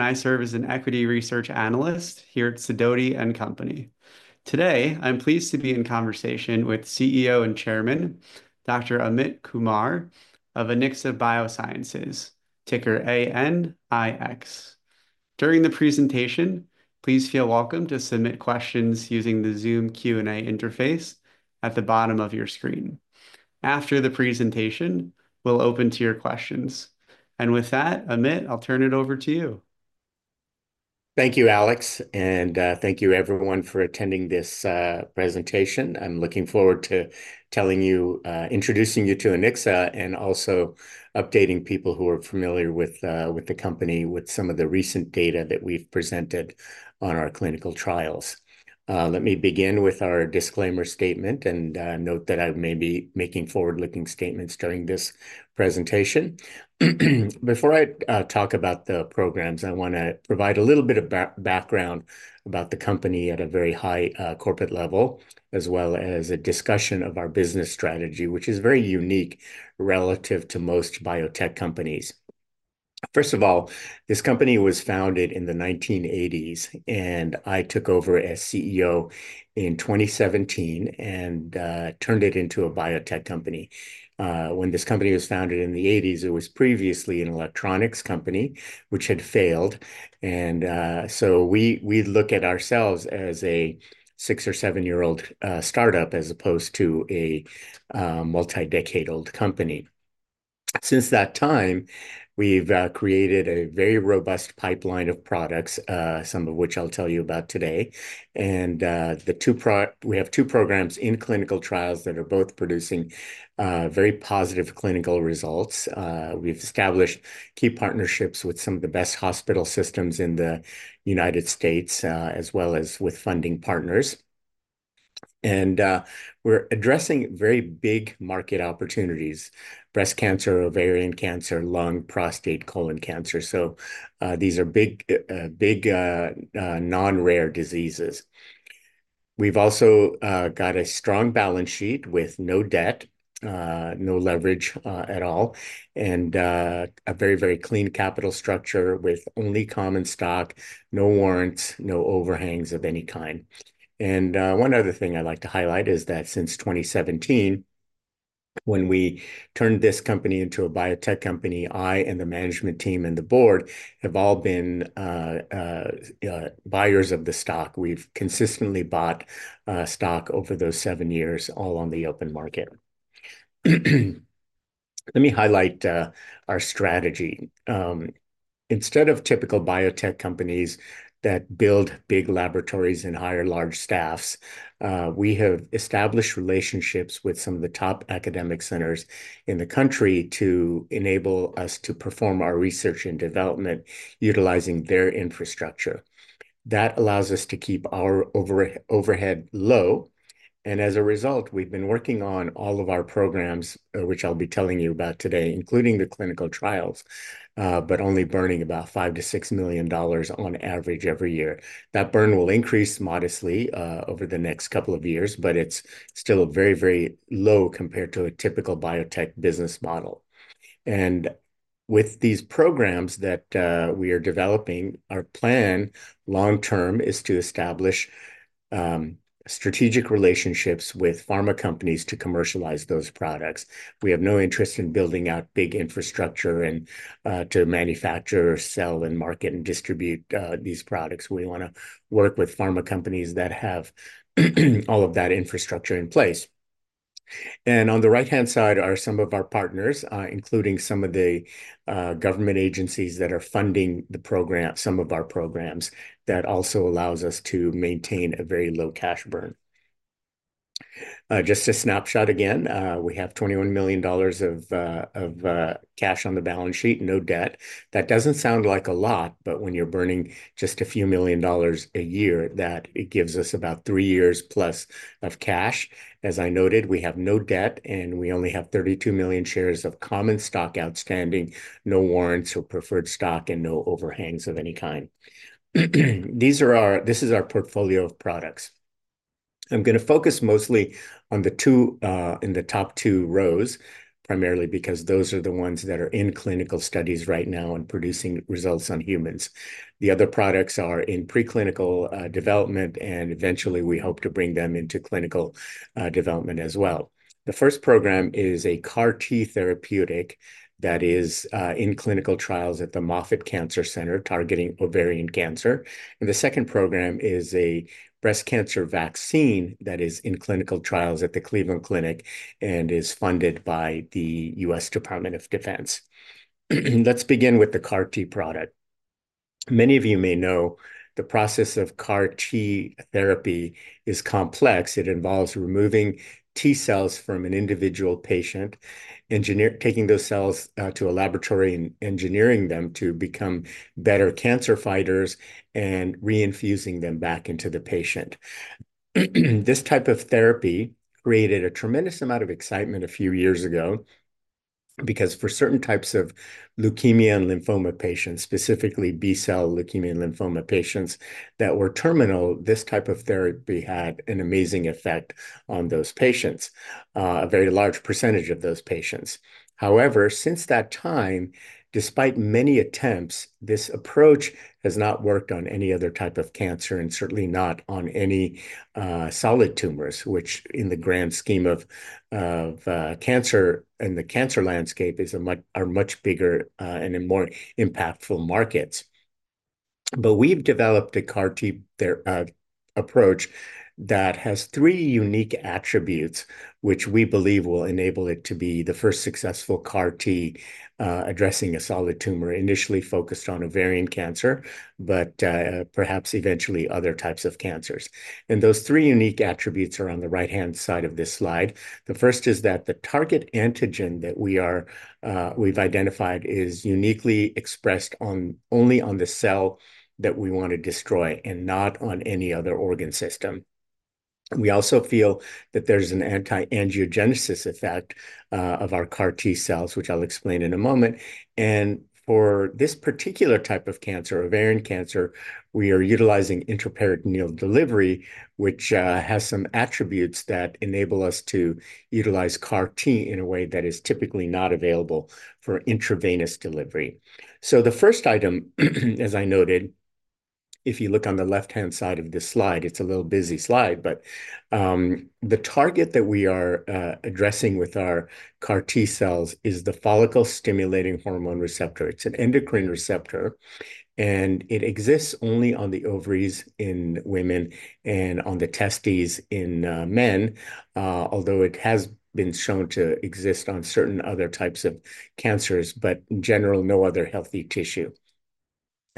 I serve as an equity research analyst here at Sidoti & Company. Today, I'm pleased to be in conversation with CEO and Chairman, Dr. Amit Kumar of Anixa Biosciences, ticker ANIX. During the presentation, please feel welcome to submit questions using the Zoom Q&A interface at the bottom of your screen. After the presentation, we'll open to your questions. And with that, Amit, I'll turn it over to you. Thank you, Alex, and thank you, everyone, for attending this presentation. I'm looking forward to telling you, introducing you to Anixa, and also updating people who are familiar with the company with some of the recent data that we've presented on our clinical trials. Let me begin with our disclaimer statement and note that I may be making forward-looking statements during this presentation. Before I talk about the programs, I want to provide a little bit of background about the company at a very high corporate level, as well as a discussion of our business strategy, which is very unique relative to most biotech companies. First of all, this company was founded in the 1980s, and I took over as CEO in 2017 and turned it into a biotech company. When this company was founded in the '80s, it was previously an electronics company which had failed. And so we look at ourselves as a six or seven-year-old startup as opposed to a multi-decade-old company. Since that time, we've created a very robust pipeline of products, some of which I'll tell you about today. And we have two programs in clinical trials that are both producing very positive clinical results. We've established key partnerships with some of the best hospital systems in the United States, as well as with funding partners. And we're addressing very big market opportunities: breast cancer, ovarian cancer, lung, prostate, colon cancer. So these are big, big, non-rare diseases. We've also got a strong balance sheet with no debt, no leverage at all, and a very, very clean capital structure with only common stock, no warrants, no overhangs of any kind. One other thing I'd like to highlight is that since 2017, when we turned this company into a biotech company, I and the management team and the board have all been buyers of the stock. We've consistently bought stock over those seven years, all on the open market. Let me highlight our strategy. Instead of typical biotech companies that build big laboratories and hire large staffs, we have established relationships with some of the top academic centers in the country to enable us to perform our research and development utilizing their infrastructure. That allows us to keep our overhead low. As a result, we've been working on all of our programs, which I'll be telling you about today, including the clinical trials, but only burning about $5-$6 million on average every year. That burn will increase modestly over the next couple of years, but it's still very, very low compared to a typical biotech business model. And with these programs that we are developing, our plan long-term is to establish strategic relationships with pharma companies to commercialize those products. We have no interest in building out big infrastructure to manufacture, sell, and market and distribute these products. We want to work with pharma companies that have all of that infrastructure in place. And on the right-hand side are some of our partners, including some of the government agencies that are funding some of our programs that also allows us to maintain a very low cash burn. Just a snapshot again, we have $21 million of cash on the balance sheet, no debt. That doesn't sound like a lot, but when you're burning just a few million dollars a year, that gives us about three years plus of cash. As I noted, we have no debt, and we only have 32 million shares of common stock outstanding, no warrants or preferred stock, and no overhangs of any kind. This is our portfolio of products. I'm going to focus mostly on the top two rows, primarily because those are the ones that are in clinical studies right now and producing results on humans. The other products are in preclinical development, and eventually, we hope to bring them into clinical development as well. The first program is a CAR-T therapeutic that is in clinical trials at the Moffitt Cancer Center targeting ovarian cancer. And the second program is a breast cancer vaccine that is in clinical trials at the Cleveland Clinic and is funded by the U.S. Department of Defense. Let's begin with the CAR-T product. Many of you may know the process of CAR-T therapy is complex. It involves removing T-cells from an individual patient, taking those cells to a laboratory and engineering them to become better cancer fighters and reinfusing them back into the patient. This type of therapy created a tremendous amount of excitement a few years ago because for certain types of leukemia and lymphoma patients, specifically B-cell leukemia and lymphoma patients that were terminal, this type of therapy had an amazing effect on those patients, a very large percentage of those patients. However, since that time, despite many attempts, this approach has not worked on any other type of cancer and certainly not on any solid tumors, which in the grand scheme of cancer and the cancer landscape are much bigger and more impactful markets. But we've developed a CAR-T approach that has three unique attributes, which we believe will enable it to be the first successful CAR-T addressing a solid tumor initially focused on ovarian cancer, but perhaps eventually other types of cancers. And those three unique attributes are on the right-hand side of this slide. The first is that the target antigen that we've identified is uniquely expressed only on the cell that we want to destroy and not on any other organ system. We also feel that there's an anti-angiogenesis effect of our CAR-T cells, which I'll explain in a moment. And for this particular type of cancer, ovarian cancer, we are utilizing intraperitoneal delivery, which has some attributes that enable us to utilize CAR-T in a way that is typically not available for intravenous delivery. So the first item, as I noted, if you look on the left-hand side of this slide, it's a little busy slide, but the target that we are addressing with our CAR-T cells is the follicle-stimulating hormone receptor. It's an endocrine receptor, and it exists only on the ovaries in women and on the testes in men, although it has been shown to exist on certain other types of cancers, but in general, no other healthy tissue.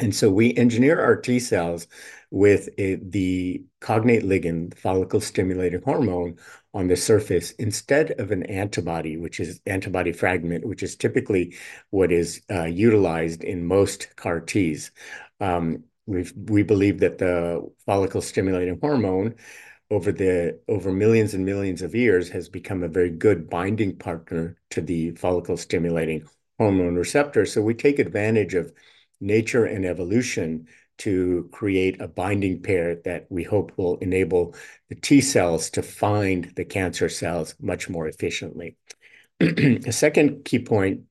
And so we engineer our T-cells with the cognate ligand, follicle-stimulating hormone on the surface instead of an antibody, which is antibody fragment, which is typically what is utilized in most CAR-Ts. We believe that the follicle-stimulating hormone over millions and millions of years has become a very good binding partner to the follicle-stimulating hormone receptor. So we take advantage of nature and evolution to create a binding pair that we hope will enable the T-cells to find the cancer cells much more efficiently. The second key point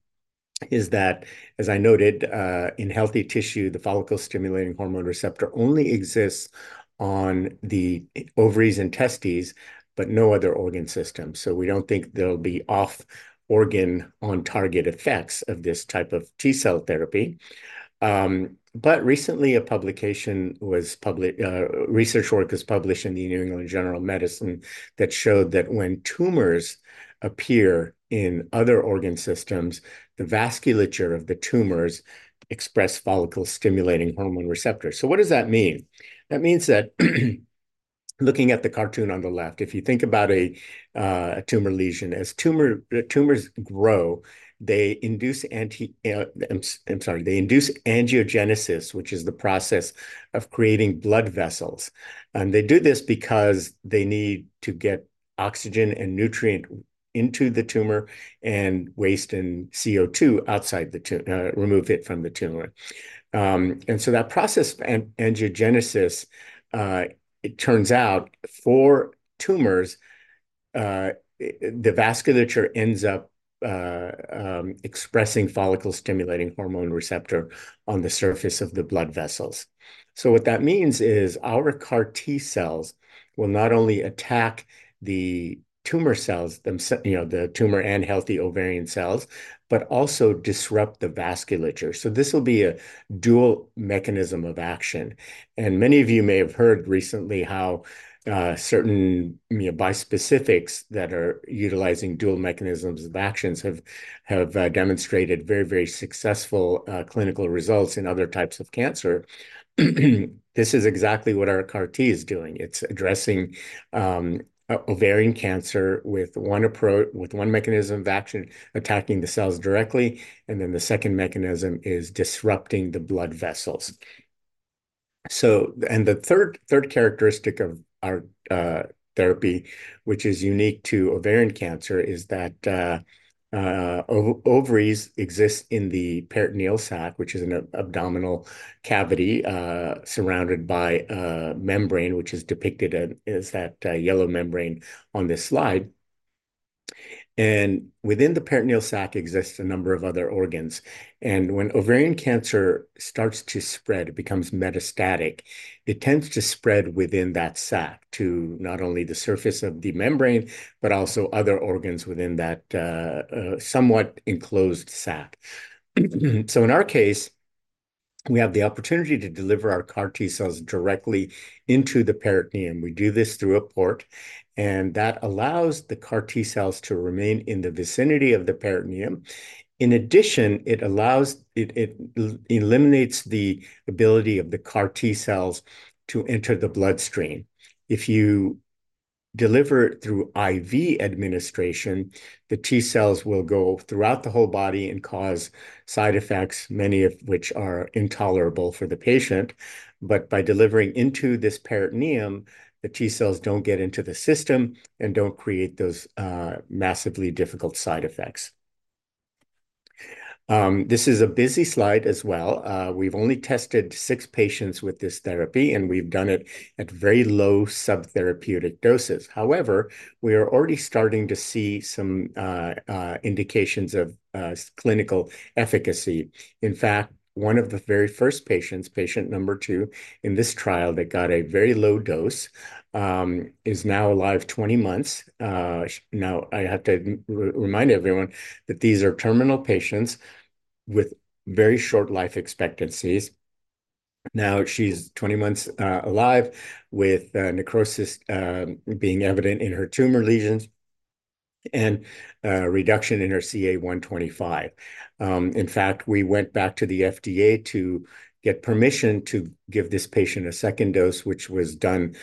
is that, as I noted, in healthy tissue, the follicle-stimulating hormone receptor only exists on the ovaries and testes, but no other organ system. So we don't think there'll be off-organ on-target effects of this type of T-cell therapy. But recently, a research work was published in the New England Journal of Medicine that showed that when tumors appear in other organ systems, the vasculature of the tumors expresses follicle-stimulating hormone receptors. So what does that mean? That means that looking at the cartoon on the left, if you think about a tumor lesion, as tumors grow, they induce angiogenesis, which is the process of creating blood vessels, and they do this because they need to get oxygen and nutrients into the tumor and waste and CO2 outside the tumor, remove it from the tumor, and so that process of angiogenesis, it turns out, for tumors, the vasculature ends up expressing follicle-stimulating hormone receptor on the surface of the blood vessels, so what that means is our CAR-T cells will not only attack the tumor cells, the tumor and healthy ovarian cells, but also disrupt the vasculature, so this will be a dual mechanism of action, and many of you may have heard recently how certain bispecifics that are utilizing dual mechanisms of action have demonstrated very, very successful clinical results in other types of cancer. This is exactly what our CAR-T is doing. It's addressing ovarian cancer with one mechanism of action, attacking the cells directly, and then the second mechanism is disrupting the blood vessels, and the third characteristic of our therapy, which is unique to ovarian cancer, is that ovaries exist in the peritoneal sac, which is an abdominal cavity surrounded by a membrane, which is depicted as that yellow membrane on this slide, and within the peritoneal sac, there exists a number of other organs, and when ovarian cancer starts to spread, it becomes metastatic. It tends to spread within that sac to not only the surface of the membrane, but also other organs within that somewhat enclosed sac, so in our case, we have the opportunity to deliver our CAR-T cells directly into the peritoneum. We do this through a port, and that allows the CAR-T cells to remain in the vicinity of the peritoneum. In addition, it eliminates the ability of the CAR-T cells to enter the bloodstream. If you deliver it through IV administration, the T-cells will go throughout the whole body and cause side effects, many of which are intolerable for the patient. But by delivering into this peritoneum, the T-cells don't get into the system and don't create those massively difficult side effects. This is a busy slide as well. We've only tested six patients with this therapy, and we've done it at very low subtherapeutic doses. However, we are already starting to see some indications of clinical efficacy. In fact, one of the very first patients, patient number two in this trial that got a very low dose, is now alive 20 months. Now, I have to remind everyone that these are terminal patients with very short life expectancies. Now, she's 20 months alive with necrosis being evident in her tumor lesions and reduction in her CA 125. In fact, we went back to the FDA to get permission to give this patient a second dose, which was done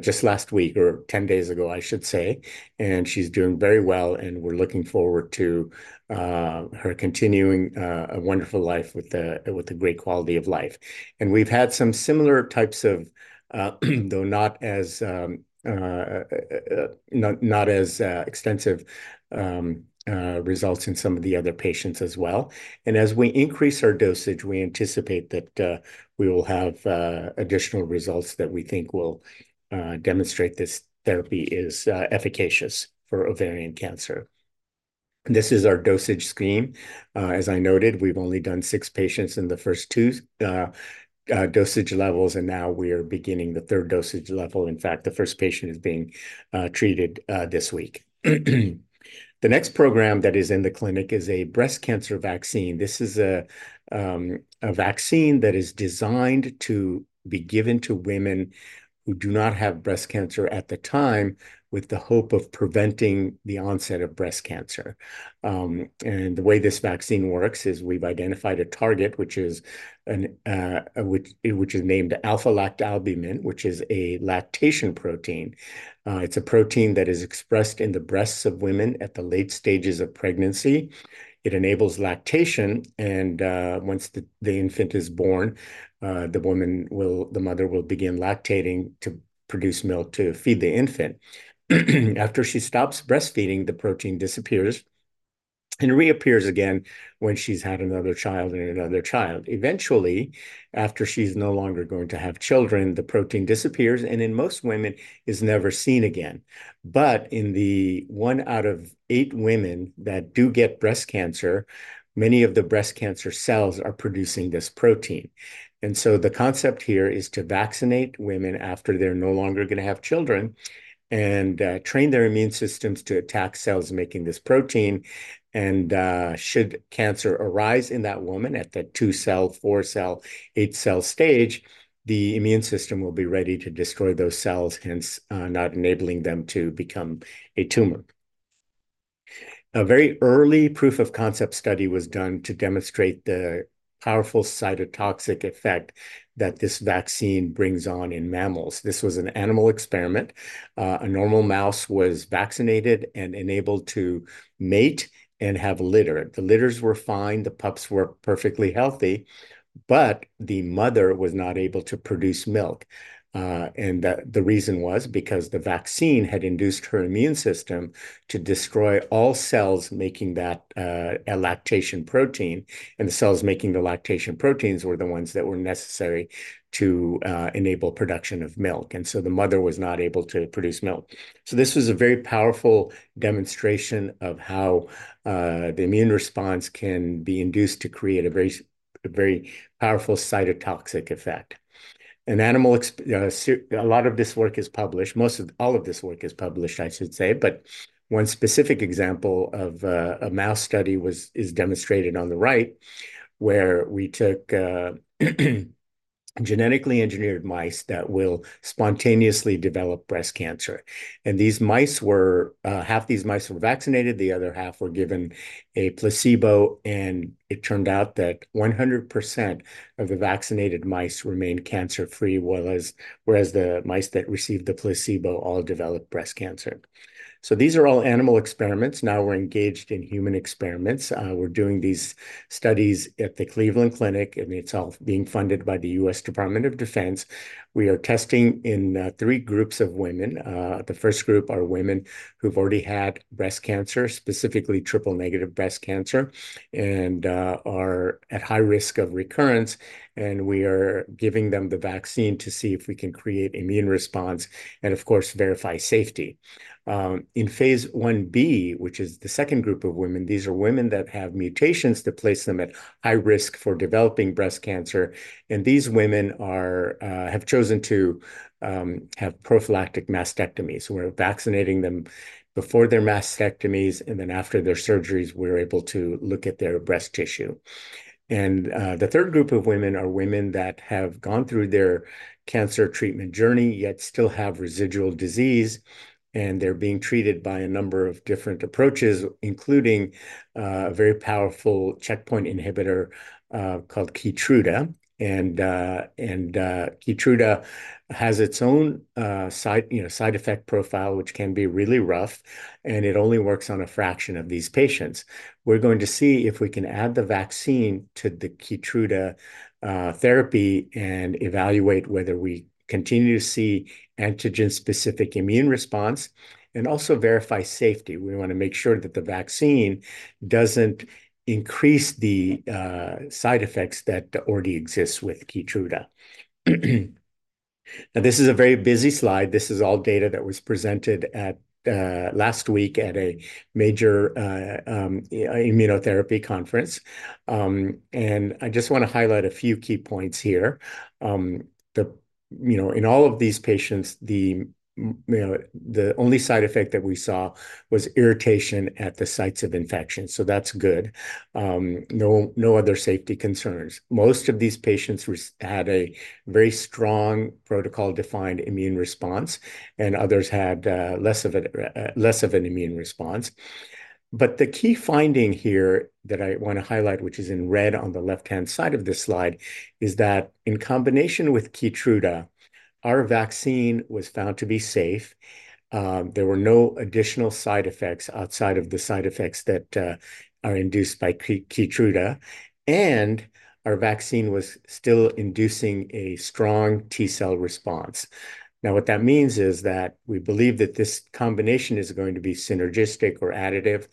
just last week or 10 days ago, I should say, and she's doing very well, and we're looking forward to her continuing a wonderful life with a great quality of life, and we've had some similar types of, though not as extensive results in some of the other patients as well, and as we increase our dosage, we anticipate that we will have additional results that we think will demonstrate this therapy is efficacious for ovarian cancer. This is our dosage scheme. As I noted, we've only done six patients in the first two dosage levels, and now we are beginning the third dosage level. In fact, the first patient is being treated this week. The next program that is in the clinic is a breast cancer vaccine. This is a vaccine that is designed to be given to women who do not have breast cancer at the time with the hope of preventing the onset of breast cancer. And the way this vaccine works is we've identified a target, which is named alpha-lactalbumin, which is a lactation protein. It's a protein that is expressed in the breasts of women at the late stages of pregnancy. It enables lactation, and once the infant is born, the mother will begin lactating to produce milk to feed the infant. After she stops breastfeeding, the protein disappears and reappears again when she's had another child and another child. Eventually, after she's no longer going to have children, the protein disappears, and in most women, it is never seen again, but in the one out of eight women that do get breast cancer, many of the breast cancer cells are producing this protein. And so the concept here is to vaccinate women after they're no longer going to have children and train their immune systems to attack cells making this protein, and should cancer arise in that woman at the two-cell, four-cell, eight-cell stage, the immune system will be ready to destroy those cells, hence not enabling them to become a tumor. A very early proof-of-concept study was done to demonstrate the powerful cytotoxic effect that this vaccine brings on in mammals. This was an animal experiment. A normal mouse was vaccinated and enabled to mate and have litter. The litters were fine. The pups were perfectly healthy, but the mother was not able to produce milk, and the reason was because the vaccine had induced her immune system to destroy all cells making that lactation protein, and the cells making the lactation proteins were the ones that were necessary to enable production of milk, and so the mother was not able to produce milk. This was a very powerful demonstration of how the immune response can be induced to create a very powerful cytotoxic effect. A lot of this work is published. All of this work is published, I should say, but one specific example of a mouse study is demonstrated on the right, where we took genetically engineered mice that will spontaneously develop breast cancer, and half these mice were vaccinated. The other half were given a placebo, and it turned out that 100% of the vaccinated mice remained cancer-free, whereas the mice that received the placebo all developed breast cancer. So these are all animal experiments. Now we're engaged in human experiments. We're doing these studies at the Cleveland Clinic, and it's all being funded by the U.S. Department of Defense. We are testing in three groups of women. The first group are women who've already had breast cancer, specifically triple-negative breast cancer, and are at high risk of recurrence. And we are giving them the vaccine to see if we can create immune response and, of course, verify safety. In phase I-B, which is the second group of women, these are women that have mutations that place them at high risk for developing breast cancer. And these women have chosen to have prophylactic mastectomies. We're vaccinating them before their mastectomies. And then after their surgeries, we're able to look at their breast tissue. And the third group of women are women that have gone through their cancer treatment journey, yet still have residual disease. And they're being treated by a number of different approaches, including a very powerful checkpoint inhibitor called Keytruda. And Keytruda has its own side effect profile, which can be really rough, and it only works on a fraction of these patients. We're going to see if we can add the vaccine to the Keytruda therapy and evaluate whether we continue to see antigen-specific immune response and also verify safety. We want to make sure that the vaccine doesn't increase the side effects that already exist with Keytruda. Now, this is a very busy slide. This is all data that was presented last week at a major immunotherapy conference. And I just want to highlight a few key points here. In all of these patients, the only side effect that we saw was irritation at the sites of infection. So that's good. No other safety concerns. Most of these patients had a very strong protocol-defined immune response, and others had less of an immune response. But the key finding here that I want to highlight, which is in red on the left-hand side of this slide, is that in combination with Keytruda, our vaccine was found to be safe. There were no additional side effects outside of the side effects that are induced by Keytruda. And our vaccine was still inducing a strong T-cell response. Now, what that means is that we believe that this combination is going to be synergistic or additive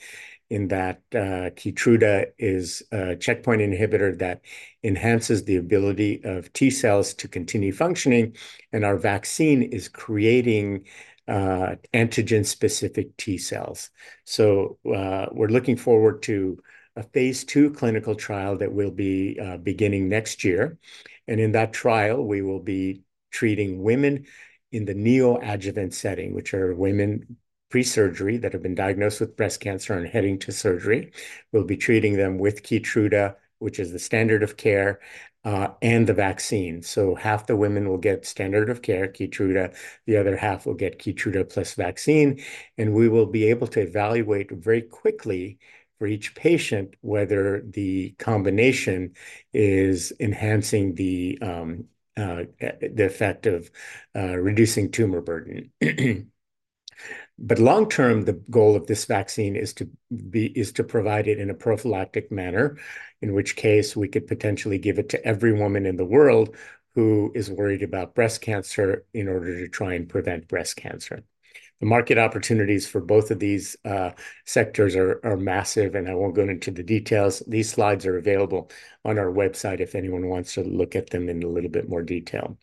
in that Keytruda is a checkpoint inhibitor that enhances the ability of T-cells to continue functioning, and our vaccine is creating antigen-specific T-cells. So we're looking forward to a phase II clinical trial that will be beginning next year. And in that trial, we will be treating women in the neoadjuvant setting, which are women pre-surgery that have been diagnosed with breast cancer and heading to surgery. We'll be treating them with Keytruda, which is the standard of care, and the vaccine. So half the women will get standard of care, Keytruda. The other half will get Keytruda plus vaccine. And we will be able to evaluate very quickly for each patient whether the combination is enhancing the effect of reducing tumor burden. But long-term, the goal of this vaccine is to provide it in a prophylactic manner, in which case we could potentially give it to every woman in the world who is worried about breast cancer in order to try and prevent breast cancer. The market opportunities for both of these sectors are massive, and I won't go into the details. These slides are available on our website if anyone wants to look at them in a little bit more detail.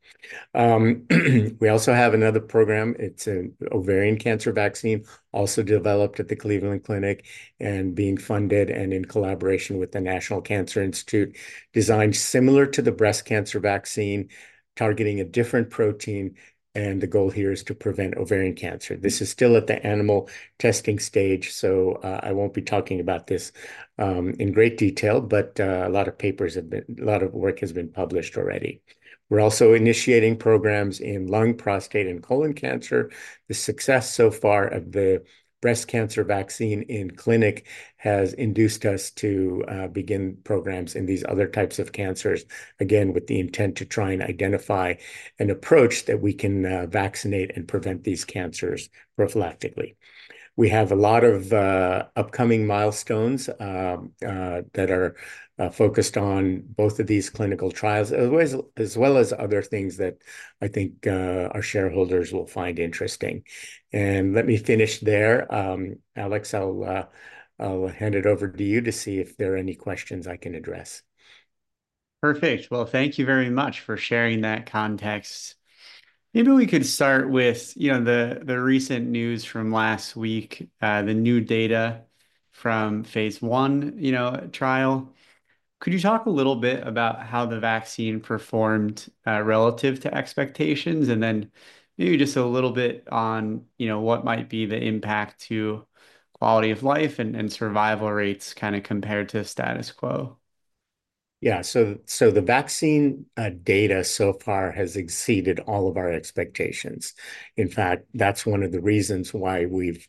We also have another program. It's an ovarian cancer vaccine, also developed at the Cleveland Clinic and being funded and in collaboration with the National Cancer Institute, designed similar to the breast cancer vaccine, targeting a different protein. And the goal here is to prevent ovarian cancer. This is still at the animal testing stage, so I won't be talking about this in great detail, but a lot of work has been published already. We're also initiating programs in lung, prostate, and colon cancer. The success so far of the breast cancer vaccine in clinic has induced us to begin programs in these other types of cancers, again, with the intent to try and identify an approach that we can vaccinate and prevent these cancers prophylactically. We have a lot of upcoming milestones that are focused on both of these clinical trials, as well as other things that I think our shareholders will find interesting. And let me finish there. Alex, I'll hand it over to you to see if there are any questions I can address. Perfect. Well, thank you very much for sharing that context. Maybe we could start with the recent news from last week, the new data from phase I trial. Could you talk a little bit about how the vaccine performed relative to expectations? And then maybe just a little bit on what might be the impact to quality of life and survival rates kind of compared to status quo? Yeah. So the vaccine data so far has exceeded all of our expectations. In fact, that's one of the reasons why we've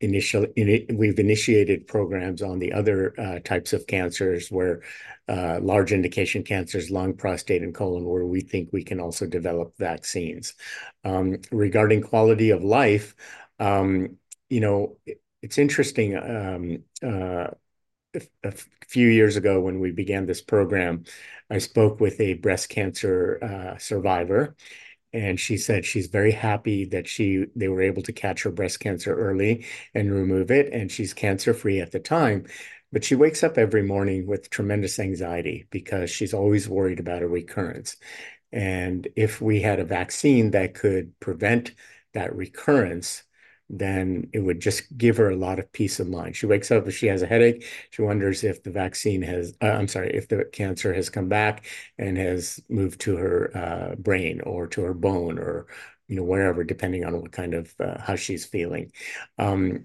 initiated programs on the other types of cancers where large indication cancers, lung, prostate, and colon, where we think we can also develop vaccines. Regarding quality of life, it's interesting. A few years ago, when we began this program, I spoke with a breast cancer survivor, and she said she's very happy that they were able to catch her breast cancer early and remove it, and she's cancer-free at the time. But she wakes up every morning with tremendous anxiety because she's always worried about a recurrence. And if we had a vaccine that could prevent that recurrence, then it would just give her a lot of peace of mind. She wakes up, she has a headache. She wonders if the vaccine has, I'm sorry, if the cancer has come back and has moved to her brain or to her bone or wherever, depending on how she's feeling. And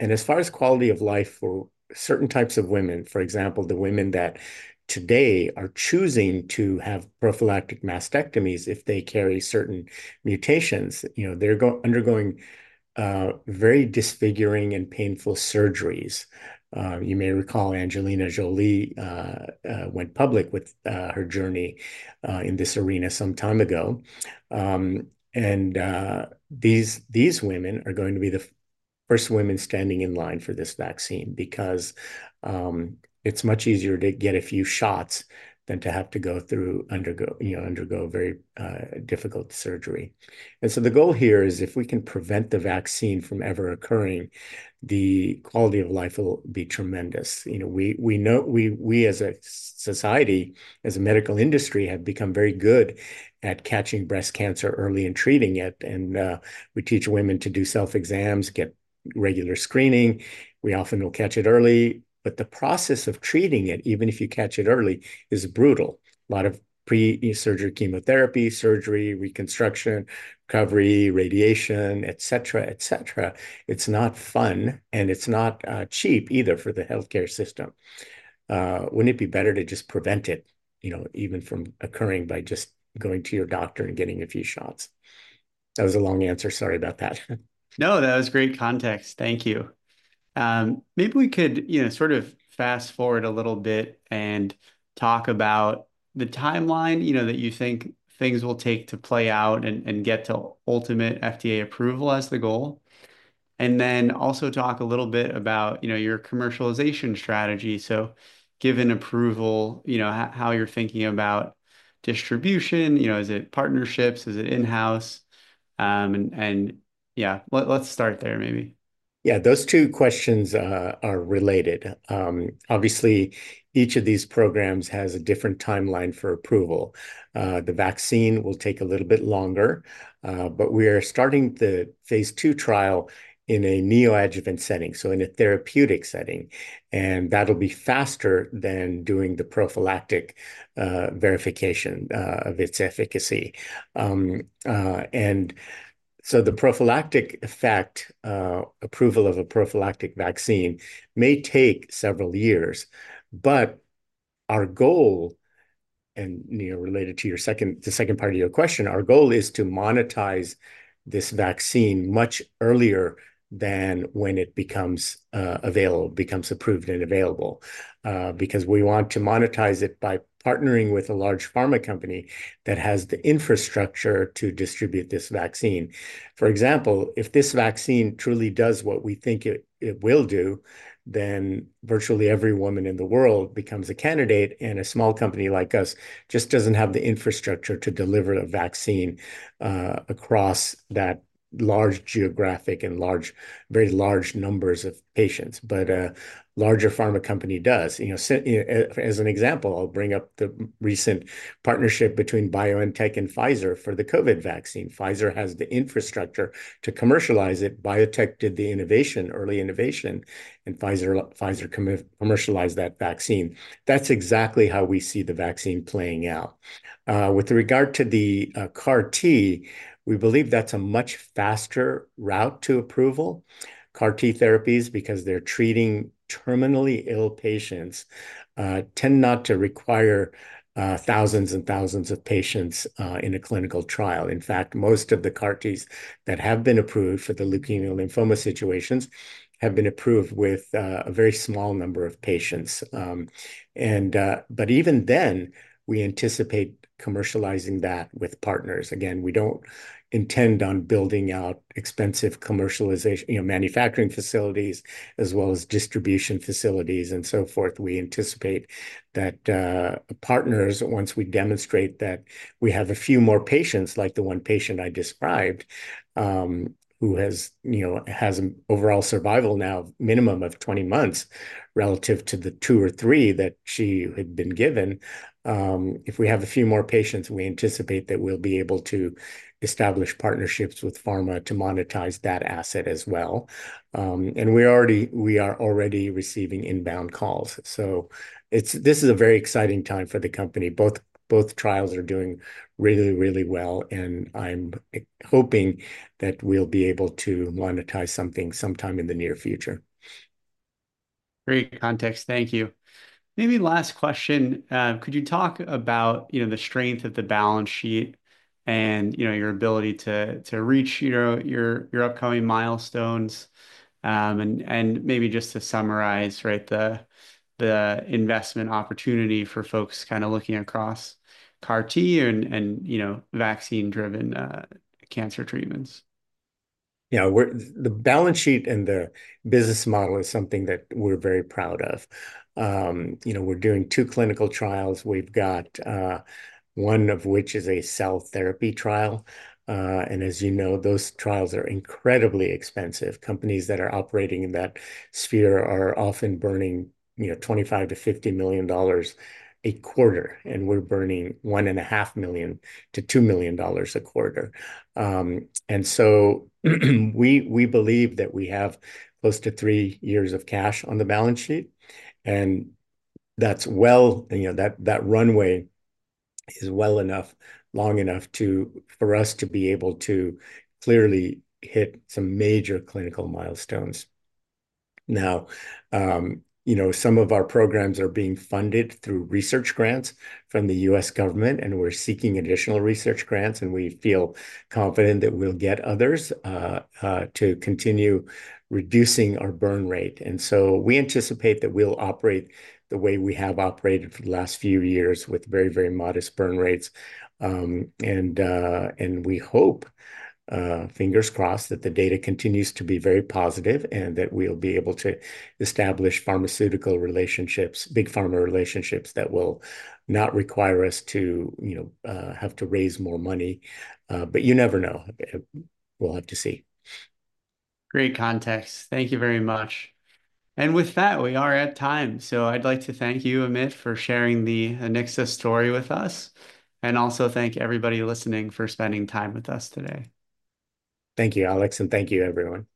as far as quality of life for certain types of women, for example, the women that today are choosing to have prophylactic mastectomies if they carry certain mutations, they're undergoing very disfiguring and painful surgeries. You may recall Angelina Jolie went public with her journey in this arena some time ago. And these women are going to be the first women standing in line for this vaccine because it's much easier to get a few shots than to have to go through very difficult surgery. And so the goal here is if we can prevent the vaccine from ever occurring, the quality of life will be tremendous. We know we as a society, as a medical industry, have become very good at catching breast cancer early and treating it. And we teach women to do self-exams, get regular screening. We often will catch it early. But the process of treating it, even if you catch it early, is brutal. A lot of pre-surgery chemotherapy, surgery, reconstruction, recovery, radiation, etc., etc. It's not fun, and it's not cheap either for the healthcare system. Wouldn't it be better to just prevent it even from occurring by just going to your doctor and getting a few shots? That was a long answer. Sorry about that. No, that was great context. Thank you. Maybe we could sort of fast forward a little bit and talk about the timeline that you think things will take to play out and get to ultimate FDA approval as the goal. And then also talk a little bit about your commercialization strategy. So given approval, how you're thinking about distribution? Is it partnerships? Is it in-house? And yeah, let's start there maybe. Yeah, those two questions are related. Obviously, each of these programs has a different timeline for approval. The vaccine will take a little bit longer, but we are starting the phase II trial in a neoadjuvant setting, so in a therapeutic setting, and that'll be faster than doing the prophylactic verification of its efficacy, and so the prophylactic effect, approval of a prophylactic vaccine may take several years, but our goal, and related to the second part of your question, our goal is to monetize this vaccine much earlier than when it becomes available, becomes approved and available, because we want to monetize it by partnering with a large pharma company that has the infrastructure to distribute this vaccine. For example, if this vaccine truly does what we think it will do, then virtually every woman in the world becomes a candidate, and a small company like us just doesn't have the infrastructure to deliver a vaccine across that large geographic and very large numbers of patients. But a larger pharma company does. As an example, I'll bring up the recent partnership between BioNTech and Pfizer for the COVID vaccine. Pfizer has the infrastructure to commercialize it. BioNTech did the innovation, early innovation, and Pfizer commercialized that vaccine. That's exactly how we see the vaccine playing out. With regard to the CAR-T, we believe that's a much faster route to approval. CAR-T therapies, because they're treating terminally ill patients, tend not to require thousands and thousands of patients in a clinical trial. In fact, most of the CAR-Ts that have been approved for the leukemia and lymphoma situations have been approved with a very small number of patients. But even then, we anticipate commercializing that with partners. Again, we don't intend on building out expensive manufacturing facilities as well as distribution facilities and so forth. We anticipate that partners, once we demonstrate that we have a few more patients, like the one patient I described who has overall survival now, minimum of 20 months relative to the two or three that she had been given, if we have a few more patients, we anticipate that we'll be able to establish partnerships with pharma to monetize that asset as well. And we are already receiving inbound calls. So this is a very exciting time for the company. Both trials are doing really, really well, and I'm hoping that we'll be able to monetize something sometime in the near future. Great context. Thank you. Maybe last question. Could you talk about the strength of the balance sheet and your ability to reach your upcoming milestones? And maybe just to summarize, right, the investment opportunity for folks kind of looking across CAR-T and vaccine-driven cancer treatments. Yeah, the balance sheet and the business model is something that we're very proud of. We're doing two clinical trials. We've got one of which is a cell therapy trial. And as you know, those trials are incredibly expensive. Companies that are operating in that sphere are often burning $25-$50 million a quarter, and we're burning $1.5-$2 million a quarter. And so we believe that we have close to three years of cash on the balance sheet. That's, well, that runway is well enough, long enough for us to be able to clearly hit some major clinical milestones. Now, some of our programs are being funded through research grants from the U.S. government, and we're seeking additional research grants. We feel confident that we'll get others to continue reducing our burn rate, so we anticipate that we'll operate the way we have operated for the last few years with very, very modest burn rates. We hope, fingers crossed, that the data continues to be very positive and that we'll be able to establish pharmaceutical relationships, big pharma relationships that will not require us to have to raise more money, but you never know. We'll have to see. Great context. Thank you very much. With that, we are at time. So I'd like to thank you, Amit, for sharing the Anixa story with us. And also thank everybody listening for spending time with us today. Thank you, Alex, and thank you, everyone.